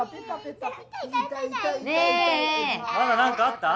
まだ何かあった？